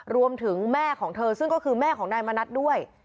รวมถึงแม่ของเธอซึ่งก็คือแม่ของนายมณัฐด้วย